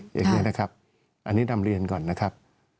อย่างนี้นะครับอันนี้นำเรียนก่อนนะครับ